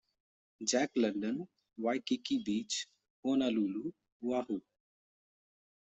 Jack London, Waikiki Beach, Honolulu, Oahu.